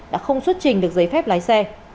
đã không xuất trình được giấy phép lái xe